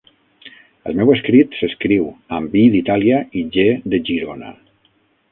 El meu escrit s'escriu amb i d'Itàlia i ge de Girona.